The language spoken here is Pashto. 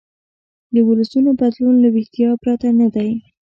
د ولسونو بدلون له ویښتیا پرته نه دی.